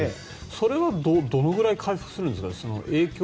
それはどのぐらい回復するんですか？